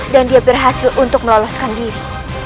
dan dia berhasil untuk meloloskan diri